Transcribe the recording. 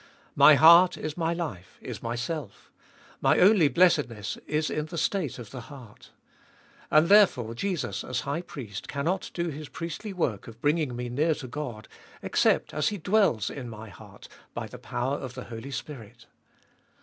My heart is my life, is myself; my only blessedness is in the state of the heart. And therefore Jesus as High Priest cannot do His priestly work of bringing me near to God except as He dwells in my heart by the power of the Holy Spirit.